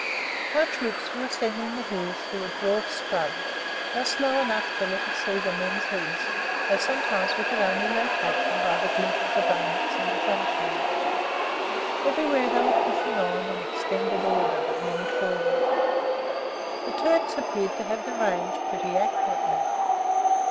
Our troops were ascending the hills through a dwarf scrub, just low enough to let us see the men's heads, though sometimes we could only locate them by the glint of the bayonets in the sunshine. Everywhere they were pushing on in extended order, but many falling. The Turks appeared to have the range pretty accurately.